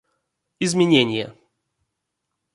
Изменения